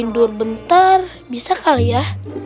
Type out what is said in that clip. tidur bentar bisa kali ya